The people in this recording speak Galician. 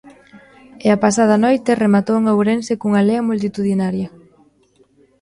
E a pasada noite rematou en Ourense cunha lea multitudinaria.